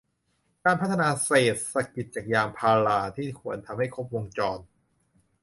การพัฒนาเศรษฐกิจจากยางพาราที่ควรทำให้ครบวงจร